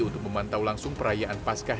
untuk memantau langsung perayaan pascah